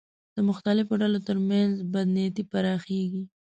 د مختلفو ډلو تر منځ بدنیتۍ پراخېږي